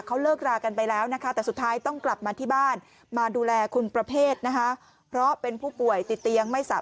เขาเลิกรากันไปแล้วนะคะแต่สุดท้ายต้องกลับมาที่บ้านมาดูแลคุณประเภทนะคะ